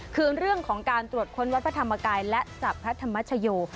คือเรื่องของการตรวจค้นวัดพระธรรมกายและจับพระธรรมชโย